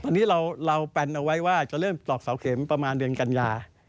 อันนี้เราแปนเอาไว้ว่าจะเริ่มตอกเสาเข็มประมาณเดือนกัญญา